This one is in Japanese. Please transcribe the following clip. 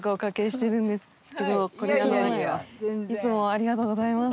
ありがとうございます。